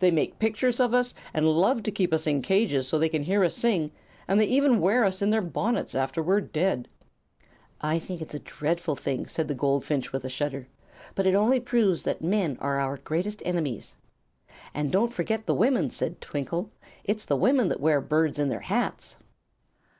They make pictures of us, and love to keep us in cages so they can hear us sing, and they even wear us in their bonnets after we are dead." "I think that is a dreadful thing," said the goldfinch, with a shudder. "But it only proves that men are our greatest enemies." "Don't forget the women," said Twinkle. "It's the women that wear birds in their hats."